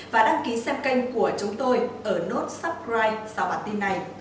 và đăng ký xem kênh của chúng tôi ở nốt subscribe sau bản tin này